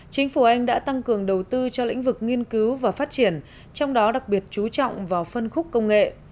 chính phủ anh đã tăng cường đầu tư cho lĩnh vực nghiên cứu và phát triển trong đó đặc biệt chú trọng vào phân khúc công nghệ